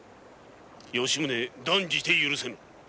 吉宗断じて許せん。